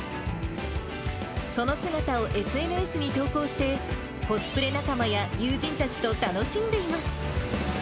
その姿をＳＮＳに投稿して、コスプレ仲間や友人たちと楽しんでいます。